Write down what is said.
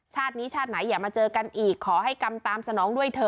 ชาตินี้ชาติไหนอย่ามาเจอกันอีกขอให้กรรมตามสนองด้วยเธอ